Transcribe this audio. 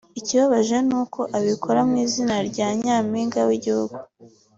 ikibabaje ni uko abikora mu izina rya Nyampinga w’igihugu